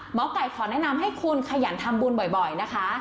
หมอไก่ขอแนะนำให้คุณขยันทำบุญบ่อยนะคะ